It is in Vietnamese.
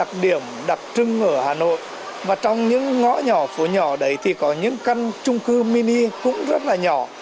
đặc điểm đặc trưng ở hà nội và trong những ngõ nhỏ phố nhỏ đấy thì có những căn trung cư mini cũng rất là nhỏ